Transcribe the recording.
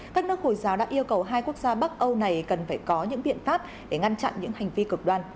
đan mạch đã yêu cầu hai quốc gia bắc âu này cần phải có những biện pháp để ngăn chặn những hành vi cực đoan